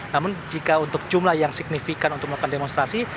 namun jika untuk jumlah yang signifikan untuk melakukan demonstrasi